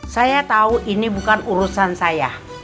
saya tahu ini bukan urusan saya